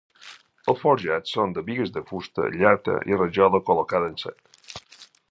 Els forjats són de bigues de fusta, llata i rajola col·locada en sec.